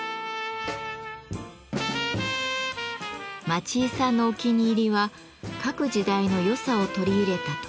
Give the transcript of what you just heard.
町井さんのお気に入りは各時代の良さを取り入れた特注品。